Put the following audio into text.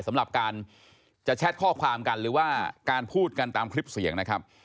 สำหรับการจะแชทข้อความกันหรือว่าการพูดกันตามคลิปเสียงนะครับ